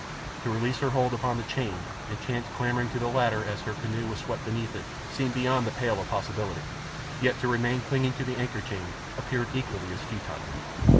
To release her hold upon the chain and chance clambering to the ladder as her canoe was swept beneath it seemed beyond the pale of possibility, yet to remain clinging to the anchor chain appeared equally as futile.